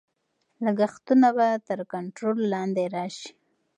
لګښتونه به تر کنټرول لاندې راشي.